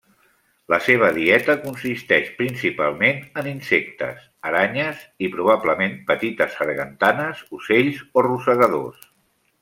La seva dieta consisteix principalment en insectes, aranyes i, probablement, petites sargantanes, ocells o rosegadors.